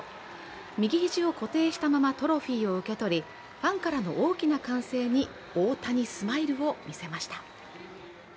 右肘を固定したままトロフィーを受け取りファンからの大きな歓声に大谷スマイルを見せました。